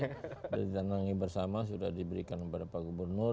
sudah ditandangi bersama sudah diberikan kepada pak gubernur